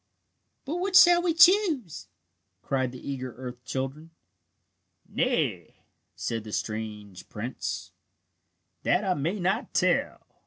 "But which shall we choose?" cried the eager earth children. "Nay," said the strange prince, "that I may not tell.